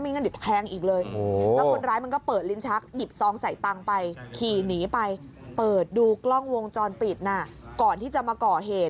มีเงินหยิดแพงอีกเลยคนร้ายมันก็เปิดลิ้นหลัก